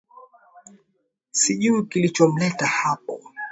Sijui kilichomleta hapo